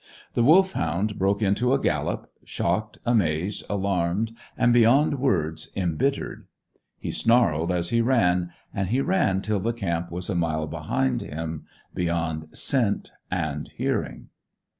The Wolfhound broke into a gallop, shocked, amazed, alarmed, and beyond words embittered. He snarled as he ran, and he ran till the camp was a mile behind him, beyond scent and hearing.